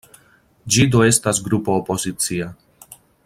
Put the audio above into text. Ĝi do estas grupo opozicia.